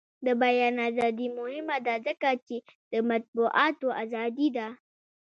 د بیان ازادي مهمه ده ځکه چې د مطبوعاتو ازادي ده.